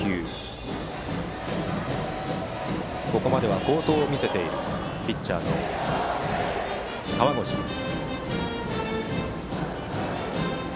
ここまで好投を見せているピッチャーの河越です。